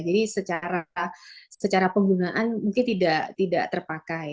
jadi secara penggunaan mungkin tidak terpakai